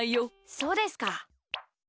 そうですか。